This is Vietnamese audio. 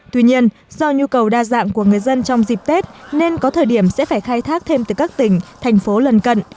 tuy nhiên do nhu cầu đa dạng của người dân trong dịp tết nên có thời điểm sẽ phải khai thác thêm từ các tỉnh thành phố lần cận